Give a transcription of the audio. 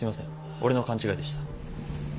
俺の勘違いでした。